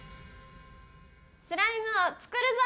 スライムを作るぞ！